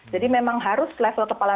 jadi memang harus level kepala